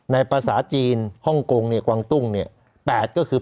ในภาษาจีนห้องกงกวางตุ้ง๘ก็คือ๘